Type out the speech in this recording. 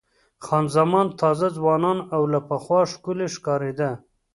خان زمان تازه، ځوانه او له پخوا ښکلې ښکارېده.